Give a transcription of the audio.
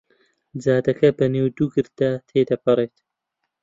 جادەکە بەنێو دوو گرد تێ دەپەڕێت.